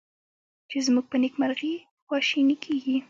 چې زمونږ په نیکمرغي خواشیني کیږي